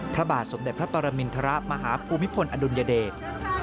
พระบาทสมเด็จพระปรมินทรมาฮภูมิพลอดุลยเดช